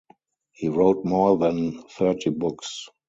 He wrote more than thirty books.